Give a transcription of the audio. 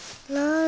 ああ。